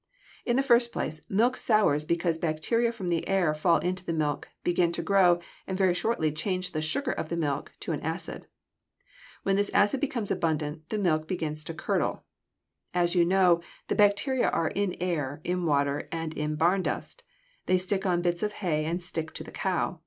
In the first place, milk sours because bacteria from the air fall into the milk, begin to grow, and very shortly change the sugar of the milk to an acid. When this acid becomes abundant, the milk begins to curdle. As you know, the bacteria are in air, in water, and in barn dust; they stick on bits of hay and stick to the cow.